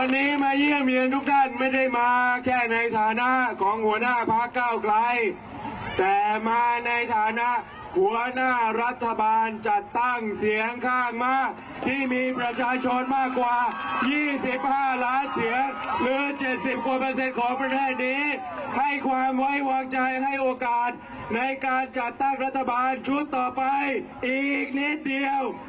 ในการจัดตั้งรัฐบาลชุดต่อไปอีกนิดเดียว